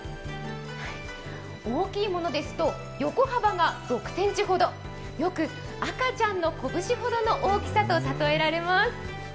大きいものですと横幅が６ｃｍほど、よく赤ちゃんの拳ほどの大きさと例えられます。